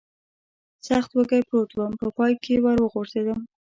سخت وږی پروت ووم، په پای کې ور وغورځېدم.